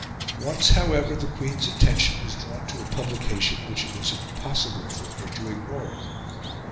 Once, however, the Queen's attention was drawn to a publication which it was impossible for her to ignore.